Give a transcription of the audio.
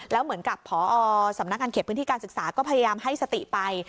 แล้วเหมือนกับพอสำนักงานเขตพื้นที่การศึกษาก็พยายามให้สติไป